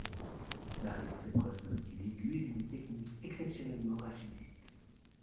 L'artiste fait preuve d'un style aigu et d'une technique exceptionnellement raffinée.